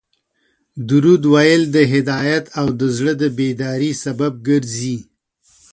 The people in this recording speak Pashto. درود ویل د هدایت او د زړه د بیداري سبب ګرځي